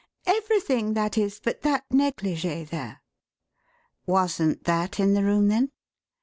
"Everything, that is, but that negligée there." "Wasn't that in the room, then?"